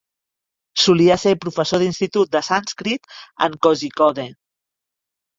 Solia ser professor d'institut de sànscrit en Kozhikode.